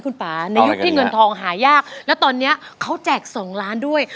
และตอนเนี้ย่เขาแจกส่องล้านด้วย